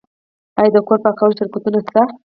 آیا د کور پاکولو شرکتونه شته؟